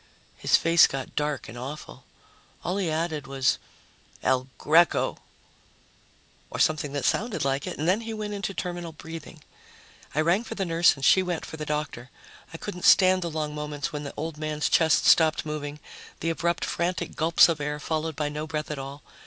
His face got dark and awful. All he added was, "El Greco," or something that sounded like it, and then he went into terminal breathing. I rang for the nurse and she went for the doctor. I couldn't stand the long moments when the old man's chest stopped moving, the abrupt frantic gulps of air followed by no breath at all.